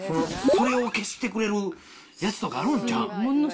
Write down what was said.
それを消してくれるやつとかあるんちゃうん？